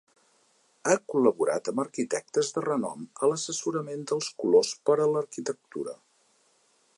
Ha col·laborat amb arquitectes de renom a l'assessorament dels colors per a l'arquitectura.